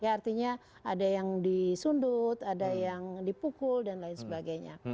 artinya ada yang disundut ada yang dipukul dan lain sebagainya